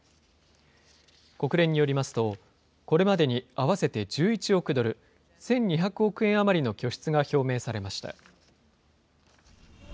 国連によりますと、これまでに合わせて１１億ドル、１２００億円余りの拠出が表明されました。